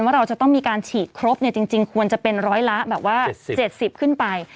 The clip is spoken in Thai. ว่าเราจะต้องมีการฉีดครบจริงควรจะเป็นร้อยละแบบว่า๗๐ขึ้นไป